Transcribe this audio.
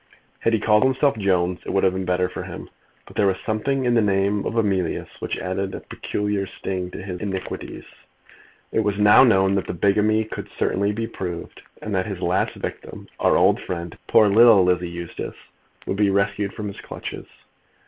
Had he called himself Jones it would have been better for him, but there was something in the name of Emilius which added a peculiar sting to his iniquities. It was now known that the bigamy could be certainly proved, and that his last victim, our old friend, poor little Lizzie Eustace, would be rescued from his clutches.